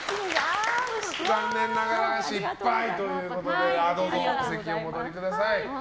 残念ながら失敗ということでお席へお戻りください。